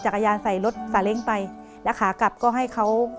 เปลี่ยนเพลงเพลงเก่งของคุณและข้ามผิดได้๑คำ